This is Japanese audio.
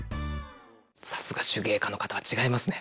さすが手芸家の方は違いますね。